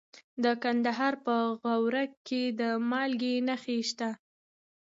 د کندهار په غورک کې د مالګې نښې شته.